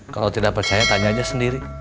kalau tidak percaya tanya aja sendiri